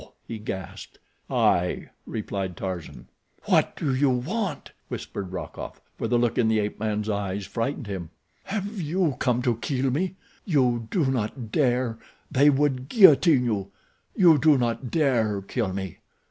he gasped. "I," replied Tarzan. "What do you want?" whispered Rokoff, for the look in the ape man's eyes frightened him. "Have you come to kill me? You do not dare. They would guillotine you. You do not dare kill me."